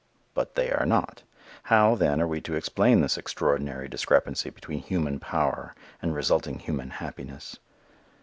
But they are not. How, then, are we to explain this extraordinary discrepancy between human power and resulting human happiness?